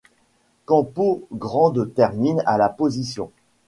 Campo Grande termine à la position.